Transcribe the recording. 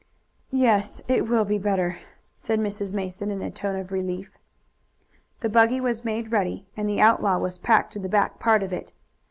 "Yes, it will be better," said Mrs. Mason in a tone of relief. The buggy was made ready, and the outlaw was packed in the back part of it.